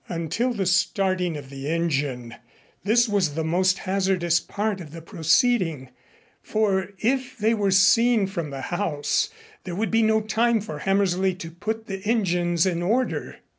Until the starting of the engine, this was the most hazardous part of the proceeding, for, if they were seen from the house, there would be no time for Hammersley to put the engines in order.